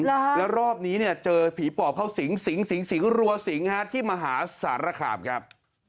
แล้วรอบนี้เนี่ยเจอผีปอบเข้าสิงสิงสิงสิงรัวสิงฮะที่มหาสารคามครับ